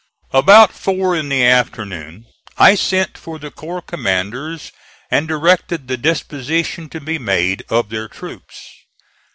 About four in the afternoon I sent for the corps commanders and directed the dispositions to be made of their troops.